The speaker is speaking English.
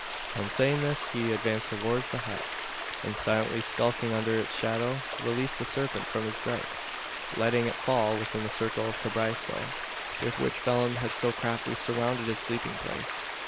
On saying this, he advanced towards the hut; and, silently skulking under its shadow, released the serpent from his gripe letting it fall within the circle of the cabriesto, with which Phelim had so craftily surrounded his sleeping place.